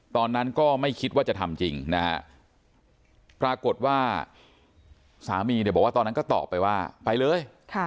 ตอนนั้นก็ไม่คิดว่าจะทำจริงนะฮะปรากฏว่าสามีเนี่ยบอกว่าตอนนั้นก็ตอบไปว่าไปเลย